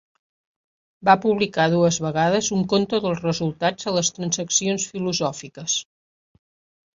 Va publicar dues vegades un compte dels resultats a les Transaccions filosòfiques.